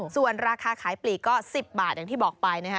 ส่วนราคาขายปลีกก็๑๐บาทอย่างที่บอกไปนะคะ